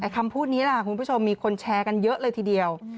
คำพูดนี้ล่ะคุณผู้ชมมีคนแชร์กันเยอะเลยทีเดียว